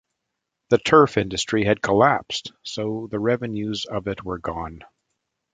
The turf industry had collapsed, so the revenues of it were gone.